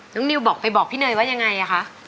นิวบอกไปบอกพี่เนยว่ายังไงคะ